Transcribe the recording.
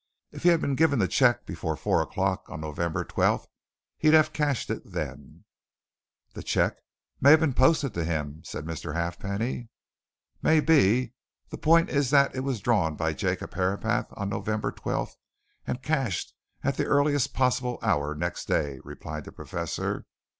"If he'd been given the cheque before four o'clock on November 12th, he'd have cashed it then." "The cheque may have been posted to him," said Mr. Halfpenny. "May be; the point is that it was drawn by Jacob on November 12th and cashed at the earliest possible hour next day," replied the Professor.